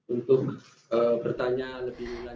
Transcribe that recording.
untuk bertanya lebih lanjut